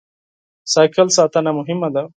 بایسکل ساتنه مهمه ده.